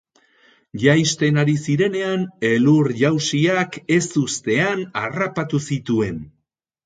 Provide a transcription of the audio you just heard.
Jaisten ari zirenean, elur-jausiak ezustean harrapatu zituen.